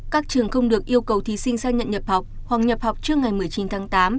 các trường không được yêu cầu thí sinh xác nhận nhập học hoặc nhập học trước ngày một mươi chín tháng tám